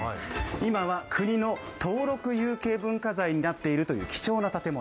今は国の登録有形文化財になっているという貴重な建物。